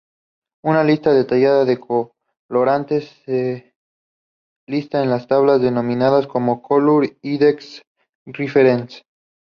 Una lista detallada de colorantes se lista en tablas denominadas como "Colour Index reference".